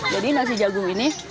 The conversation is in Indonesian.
jadi nasi jagung ini